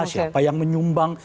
siapa yang menyumbang